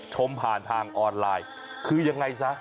ชมผ่านทางออนไลน์คือยังไงซะ